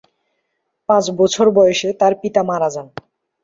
পাঁচ বছর বয়সে তার পিতা মারা যান।